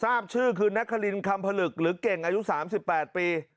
ทราบชื่อคือนักคลินคำผลึกหรือเก่งอายุ๓๘ปี